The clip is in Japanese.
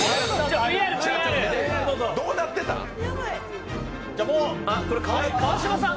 どうなってたん？